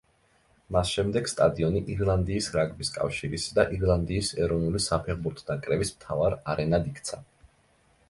მას შემდეგ სტადიონი ირლანდიის რაგბის კავშირისა და ირლანდიის ეროვნული საფეხბურთო ნაკრების მთავარ არენად იქცა.